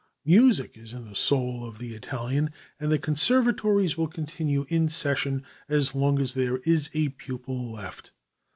Music is in the soul of the Italian, and the conservatories will continue in session as long as there is a pupil left.